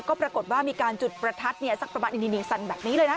ก็ปรากฏว่ามีการจุดประทัดสักประมาณสั่นแบบนี้เลยนะ